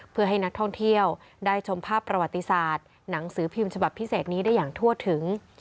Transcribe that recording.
เพื่อให้นักท่องเที่ยวได้ชมภาพประวัติศาสตร์หนังสือพิมพ์ฉบับพิเศษนี้ได้อย่างทั่วถึง